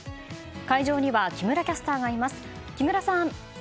会場には木村キャスターがいます。